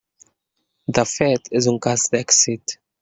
De fet és un cas d'èxit.